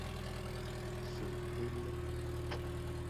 Zogbelo.